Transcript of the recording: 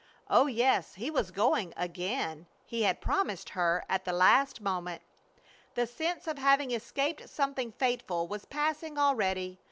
Oh yes, he was going again. He had promised her at the last moment. The sense of having escaped something fateful was passing already.